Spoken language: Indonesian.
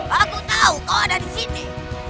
aku tahu kau ada disini